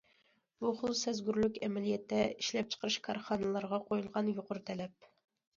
بۇ خىل سەزگۈرلۈك ئەمەلىيەتتە ئىشلەپچىقىرىش كارخانىلىرىغا قويۇلغان يۇقىرى تەلەپ.